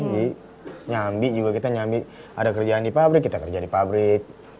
jadi nyambi juga kita nyambi ada kerjaan di pabrik kita kerja di pabrik